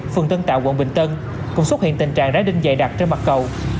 phường tân tạo quận bình tân cũng xuất hiện tình trạng đái đinh dày đặc trên mặt cầu